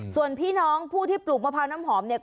ส่วนพี่น้องผู้ที่ปลูกมะพร้าวน้ำหอมเนี่ย